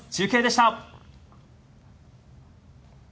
中継でした。